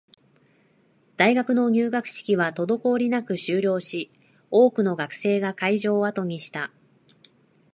大学の入学式は滞りなく終了し、多くの学生が会場を後にした